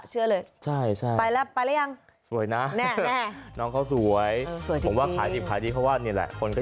ช่วงเลิกเรียนก็จะมาขายตอนเย็นค่ะ